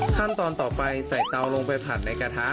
ขั้นตอนต่อไปใส่เตาลงไปผัดในกระทะ